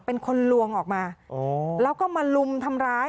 เป็นคนลวงออกมาแล้วก็มาลุมทำร้าย